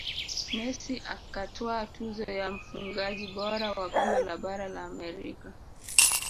messi akatwaa tuzo ya mfungaji bora wa kombe la bara la amerika